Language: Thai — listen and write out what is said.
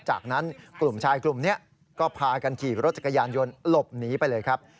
จากนั้นกลุ่มชายกลุ่มนี้ก็พากันขี่รถจักรยานยนต์หลบหนีไปเลยครับ